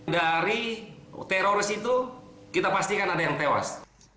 dari teroris itu kita pastikan ada yang tewas